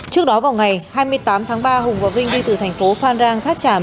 trước đó vào ngày hai mươi tám tháng ba hùng và vinh đi từ thành phố phan rang tháp tràm